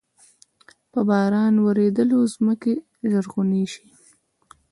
په باران ورېدلو زمکې زرغوني شي۔